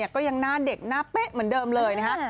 ก็ยังหน้าเด็กหน้าเป๊ะเหมือนเดิมเลยนะฮะ